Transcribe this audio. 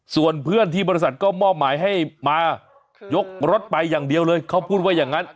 ส่วนเพื่อนที่บริษัทก็มอบหมายให้มายกรถไปอย่างเดียวเลยเขาพูดว่าอย่างนั้น